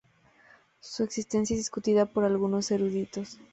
Su existencia es discutida por algunos eruditos.